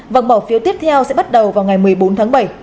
vòng bỏ phiếu tiếp theo sẽ bắt đầu vào ngày một mươi bốn tháng bảy